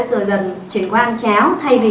từ dần chuyển qua ăn cháo thay vì